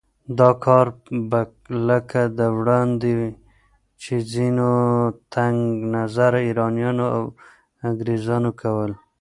دا کار به لکه وړاندې چې ځينو تنګ نظره ایرانیانو او انګریزانو کول